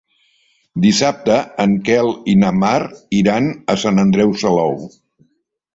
Dissabte en Quel i na Mar iran a Sant Andreu Salou.